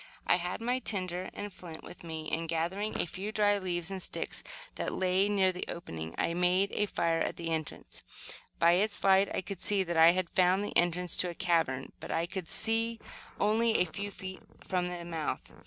I had my tinder and flint with me and, gathering a few dry leaves and sticks that lay around near the opening, I made a fire at the entrance. By its light I could see that I had found the entrance to a cavern, but I could see only a few feet from the mouth.